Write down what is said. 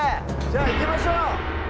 じゃあ行きましょう！